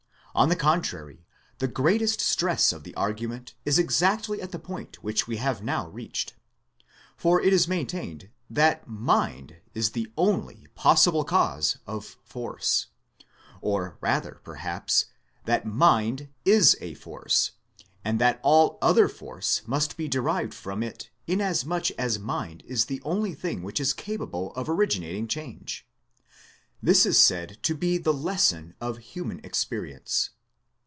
On the contrary, the greatest stress of the argument is exactly at the point which we have now 146 THEISM reached. For it is maintained that Mind is the only possible cause of Force ; or rather perhaps, that Mind is a Force, and that all other force must be derived from it inasmuch as mind is the only thing which is capable of originating change. This is said to be the lesson of human experience.